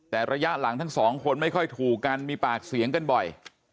แต่ระยะหลังทั้งสองคนไม่ค่อยถูกกันมีปากเสียงกันบ่อย